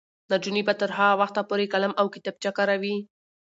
نجونې به تر هغه وخته پورې قلم او کتابچه کاروي.